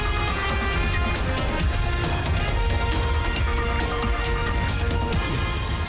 มุณแค่ครบ